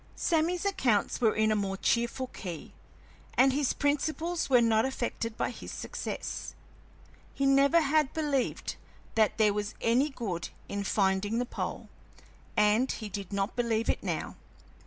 Sammy's accounts were in a more cheerful key, and his principles were not affected by his success. He never had believed that there was any good in finding the pole, and he did not believe it now.